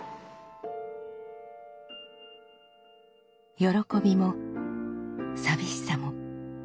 喜びも寂しさも。